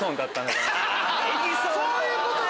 そういうことか！